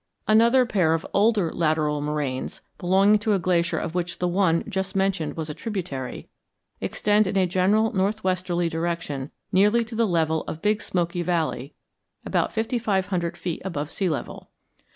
Another pair of older lateral moraines, belonging to a glacier of which the one just mentioned was a tributary, extend in a general northwesterly direction nearly to the level of Big Smoky Valley, about fifty five hundred feet above sea level.